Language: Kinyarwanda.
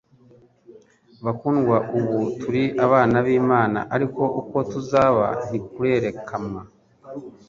Bakundwa, ubu turi abana b'Imana ariko uko tuzaba ntikurerekamwa